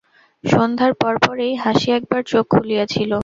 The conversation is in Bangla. সন্ধ্যার কিছু পরেই হাসি একবার চোখ খুলিয়াছিল।